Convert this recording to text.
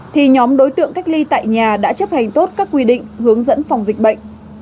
thì nhóm đối tượng cách ly tại nhà đã chấp hành tốt các quy định hướng dẫn phòng dịch bệnh